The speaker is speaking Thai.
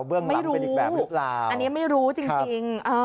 เบื้องล้ำเป็นอีกแบบหรือเปล่าครับครับไม่รู้อันนี้ไม่รู้จริง